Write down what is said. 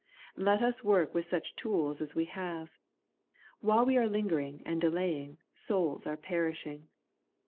Let us work with such tools as we have. While we are lingering and delaying souls are perishing.